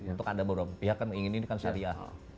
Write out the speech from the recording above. untuk ada beberapa pihak yang mengingin ini kan syariah